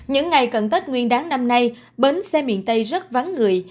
những ngày cận tết nguyên đáng năm nay bến xe miền tây rất vắng người